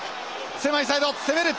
狭いサイド攻める！